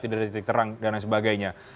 tidak ada titik terang dan lain sebagainya